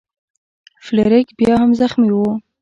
فلیریک بیا هم زخمی و.